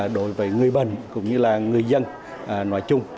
đối với người bần cũng như là người dân nói chung